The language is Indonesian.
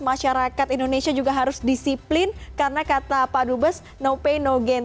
masyarakat indonesia juga harus disiplin karena kata pak dubes no pay no gain